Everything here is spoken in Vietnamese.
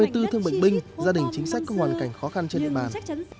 hai mươi bốn thương bệnh binh gia đình chính sách có hoàn cảnh khó khăn trên địa bàn